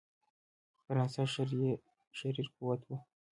فرانسه شریر قوت وو.